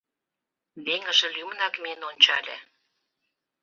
Веҥыже лӱмынак миен ончале.